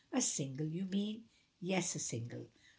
"A single, you mean?" "Yes, a single."